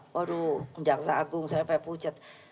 waduh enjak saagung sampai pucet